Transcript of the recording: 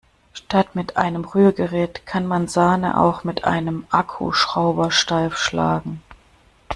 Statt mit einem Rührgerät kann man Sahne auch mit einem Akkuschrauber steif schlagen.